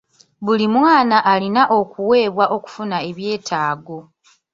Buli mwana alina obuweebwa okufuna ebyetaago.